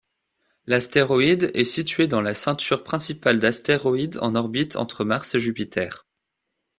L’astéroïde est situé dans la ceinture principale d’astéroïdes en orbite entre Mars et Jupiter.